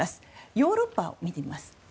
ヨーロッパを見てみます。